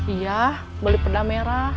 iya beli pedang merah